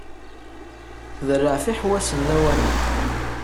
Tderreɛ ɣef iḥewwasen lawan-a.